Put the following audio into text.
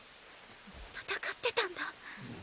戦ってたんだ。